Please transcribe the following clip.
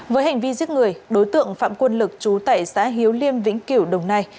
với hành vi giết người đối tượng phạm quân lực trú tại xã hiếu liêm vĩnh cửu đồng nai